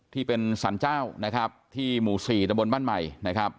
ที่เป็นสรรเจ้านะครับที่หมู่๔ตะบนบ้านใหม่นะครับ